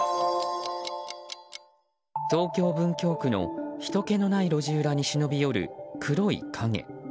東京・文京区のひとけのない路地裏に忍び寄る黒い影。